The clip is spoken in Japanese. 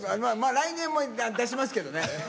来年も出しますけどね。